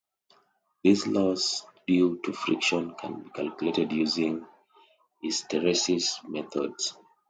This loss due to friction can be calculated using hysteresis methods.